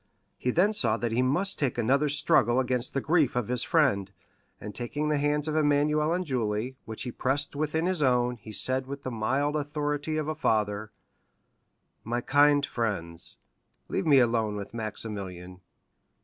He then saw that he must make another struggle against the grief of his friend, and taking the hands of Emmanuel and Julie, which he pressed within his own, he said with the mild authority of a father: "My kind friends, leave me alone with Maximilian."